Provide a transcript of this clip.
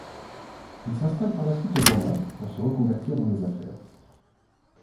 Il s’installe par la suite au Ghana pour se reconvertir dans les affaires.